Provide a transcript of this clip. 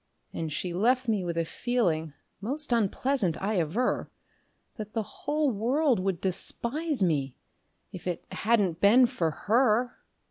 And she left me with a feeling most unpleasant, I aver That the whole world would despise me if it hadn't been for her.